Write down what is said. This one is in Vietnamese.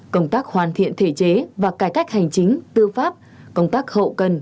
công tác hoàn thiện thể chế và cải cách hành chính tư pháp công tác hậu cần